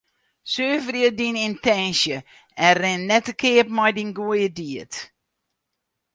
Suverje dyn yntinsje en rin net te keap mei dyn goede died.